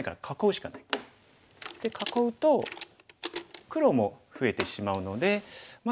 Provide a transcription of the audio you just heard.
囲うと黒も増えてしまうのでまあ